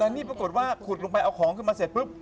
แต่นี่ปรากฏว่าขุดลงไปเอาของขึ้นมาเสร็จปุ๊บ